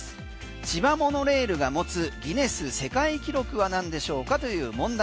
千葉モノレールが持つギネス世界記録は何でしょうかという問題。